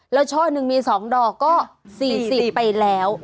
แล้วช่อหนึ่งมี๒ดอกก็๔๐ไปแล้ว